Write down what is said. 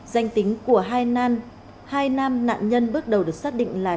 danh tính của hai nam nạn nhân bước đầu được xác định là